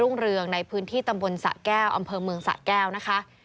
เรืองในพื้นที่ตำบลสะแก้วอำเภอเมืองสะแก้วนะคะ